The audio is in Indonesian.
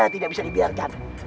tidak bisa dibilangkan